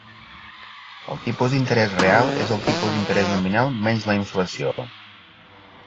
El tipus d'interès real és el tipus d'interès nominal menys la inflació.